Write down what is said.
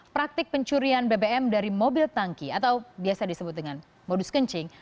praktik pencurian bbm dari mobil tangki atau biasa disebut dengan modus kencing